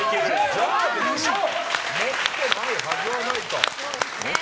持ってないはずはないと。